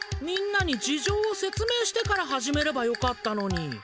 みんなに事じょうをせつ明してから始めればよかったのに。